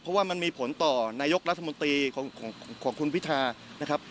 เพราะว่ามันมีผลต่อนายกรัฐมนตรีของคุณพิธานะครับ